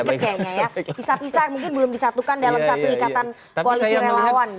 bisa bisa mungkin belum disatukan dalam satu ikatan koalisi relawan